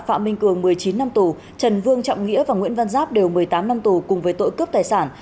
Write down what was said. phạm minh cường một mươi chín năm tù trần vương trọng nghĩa và nguyễn văn giáp đều một mươi tám năm tù cùng với tội cướp tài sản